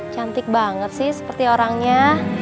cantik banget sih seperti orangnya